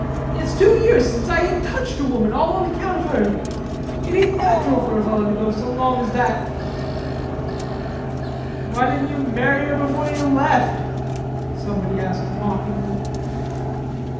It's two years since I ain't touched a woman all on account of her. It ain't natural for a fellow to go so long as that. "Why didn't you marry her before you left?" somebody asked mockingly.